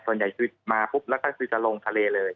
ส่วนใหญ่คือมาปุ๊บแล้วก็คือจะลงทะเลเลย